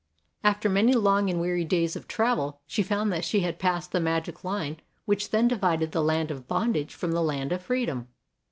After many long and weary days of travel, she found that she had passed the magic line which then divided the land of bondage from the land of freedom."